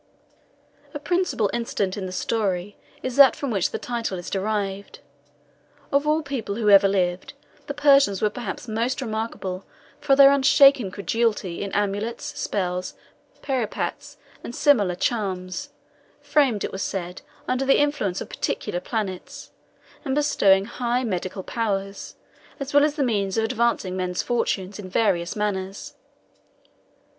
A principal incident in the story is that from which the title is derived. Of all people who ever lived, the Persians were perhaps most remarkable for their unshaken credulity in amulets, spells, periapts, and similar charms, framed, it was said, under the influence of particular planets, and bestowing high medical powers, as well as the means of advancing men's fortunes in various manners.